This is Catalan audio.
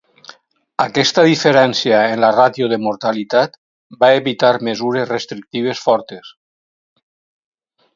Aquesta diferència en la ràtio de mortalitat va evitar mesures restrictives fortes.